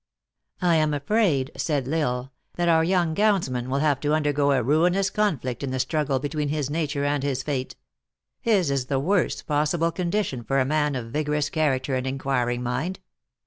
"I am afraid," sa, id L Isle, " that our young gowns man will have to undergo a ruinous conflict in the struggle between his nature and his fate. His is the worst possible condition for a man of vigorous character and inquiring mind.